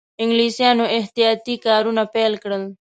انګلیسیانو احتیاطي کارونه پیل کړل.